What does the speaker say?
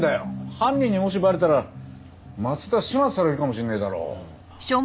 犯人にもしバレたら松田始末されるかもしれねえだろ。